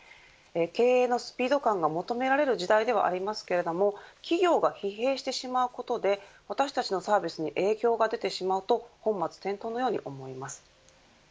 経営のスピード感が求められる時代ではありますが企業が疲弊してしまうことで私たちのサービスに影響が出てしまうと本末転倒のように思います。